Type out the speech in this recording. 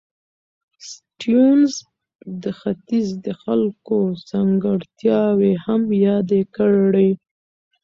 سټيونز د ختیځ د خلکو ځانګړتیاوې هم یادې کړې.